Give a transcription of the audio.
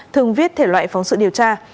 thường viết thể loại phóng sự điều tra